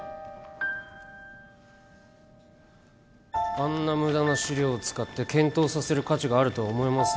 あんな無駄な資料を使って検討させる価値があるとは思えません。